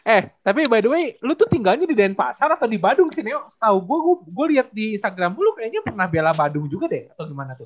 eh tapi by the way lu tuh tinggalnya di denpasar atau di badung sini setahu gue lihat di instagram dulu kayaknya pernah bela badung juga deh atau gimana tuh